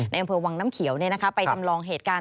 อำเภอวังน้ำเขียวไปจำลองเหตุการณ์